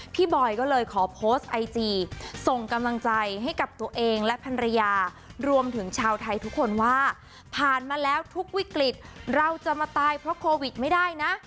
บอยก็เลยขอโพสต์ไอจีส่งกำลังใจให้กับตัวเองและภรรยารวมถึงชาวไทยทุกคนว่าผ่านมาแล้วทุกวิกฤตเราจะมาตายเพราะโควิดไม่ได้นะ